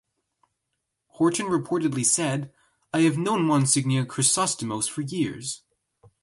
Horton reportedly said, I have known Monsigneur Chrysostomos for years.